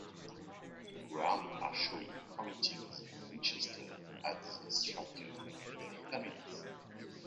The guards are shown pointing their Winchesters at the strikers and their families.